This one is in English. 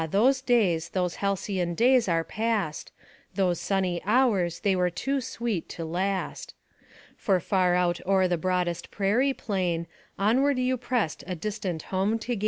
those days, those halcyon days, are past, Those sunny hours, they were too sweet to last! For far out o'er the broadest prairie plain, Onward you pressed a distant home to gain.